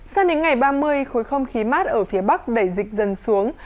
sang đến ngày ba mươi khối không khí mát ở phía bắc đẩy dịch dần xuống